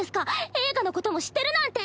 映画のことも知ってるなんて。